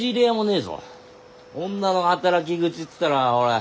女の働き口っつったらほら